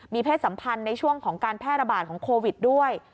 เพศสัมพันธ์ในช่วงของการแพร่ระบาดของโควิดด้วย